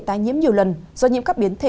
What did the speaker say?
tai nhiễm nhiều lần do nhiễm các biến thể